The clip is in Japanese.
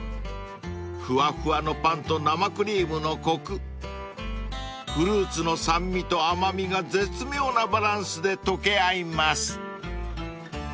［ふわふわのパンと生クリームのコクフルーツの酸味と甘味が絶妙なバランスで溶け合います］